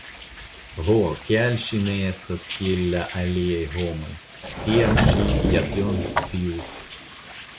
Ho, kial ŝi ne estas kiel la aliaj homoj, tiam ŝi ja tion scius.